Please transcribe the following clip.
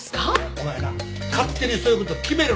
お前な勝手にそういうこと決めるな。